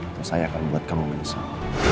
atau saya akan buat kamu menyesal